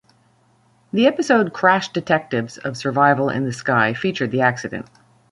The episode "Crash Detectives" of Survival in the Sky featured the accident.